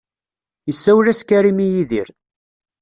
Isawel-as Karim i Yidir.